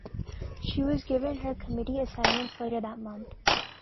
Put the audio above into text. She was given her committee assignments later that month.